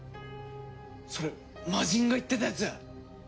それ魔人が言ってたやつ！